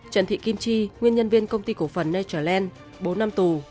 trần thị kim chi nguyên nhân viên công ty cổ phần natureland bốn năm tù